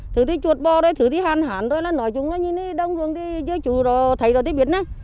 thứ thì chuột bò thôi thứ thì hạn hạn thôi là nói chúng là như này đông ruồng thì chú thấy rồi thì biết nè